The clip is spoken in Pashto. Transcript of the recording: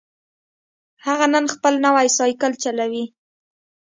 هغه نن خپل نوی سایکل چلوي